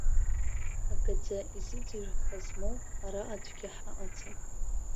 Агаӡа изыӡырҩыха змоу ара аӡәгьы ҳаҟаӡам.